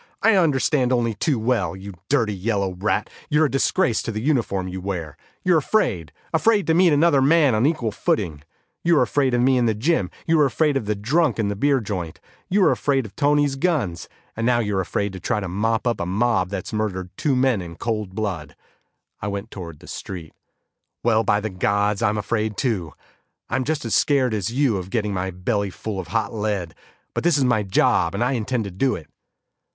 "I understand only too well. You dirty yellow rat, you're a disgrace to the uniform you wear. You're afraid, afraid to meet another man on equal footing. You were afraid of me in the gym; you were afraid of the drunk in the beer joint; you were afraid of Tony's guns and now you're afraid to try to mop up a mob that's murdered two men in cold blood." I went toward the street. "Well, by the Gods, I'm afraid too. I'm just as scared as you of getting my belly full of hot lead. But this is my job, and I intend to do it."